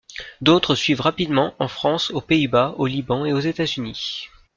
D'autres suivent rapidement en France, aux Pays-Bas, au Liban et aux États-Unis.